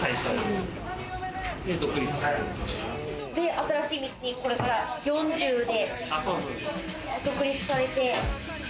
新しい道に、これから４０で独立されて。